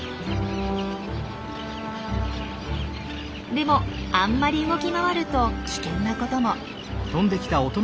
でもあんまり動き回ると危険なことも。